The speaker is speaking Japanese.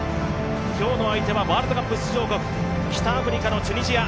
今日の相手はワールドカップ出場国、北アフリカのチュニジア。